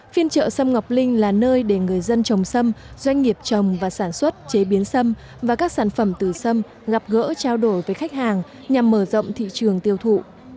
phiên trợ xâm ngọc linh là nơi để người dân trồng xâm doanh nghiệp trồng và sản xuất chế biến xâm và các sản phẩm từ xâm gặp gỡ trao đổi với khách hàng nhằm mở rộng thị trường tiêu thụ